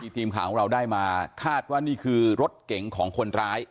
ทีมข่าวของเราได้มาคาดว่านี่คือรถเก๋งของคนร้าย